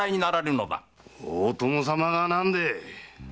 大友様が何でえ！